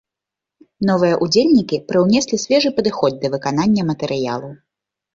Новыя ўдзельнікі прыўнеслі свежы падыход да выканання матэрыялу.